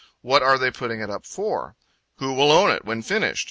'What are they putting it up for?' 'Who will own it, when finished?'